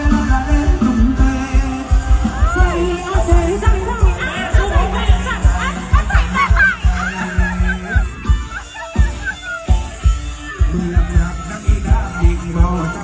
ดักจงที่ไม่พอมินต้อนขาเชาเอาออกผัวล่ะหักใจบุคค่า